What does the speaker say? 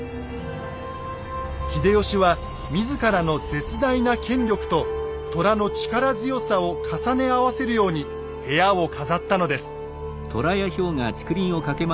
秀吉は自らの絶大な権力と虎の力強さを重ね合わせるように部屋を飾ったのです。